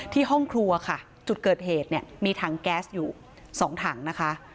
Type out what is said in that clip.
ห้องครัวค่ะจุดเกิดเหตุเนี่ยมีถังแก๊สอยู่๒ถังนะคะ